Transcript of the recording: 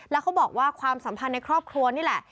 แล้วเขาบอกว่าความสัมพันธ์ในครอบครัวนี่แหละ